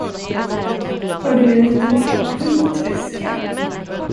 Har du en liten skitväska?